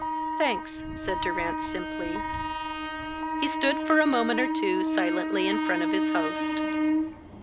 "Thanks," said Durrance, simply. He stood for a moment or two silently in front of his host.